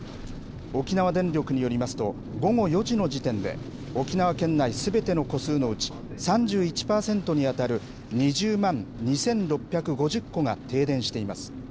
沖縄電力によりますと、午後４時の時点で、沖縄県内すべての戸数のうち、３１％に当たる２０万２６５０戸が停電しています。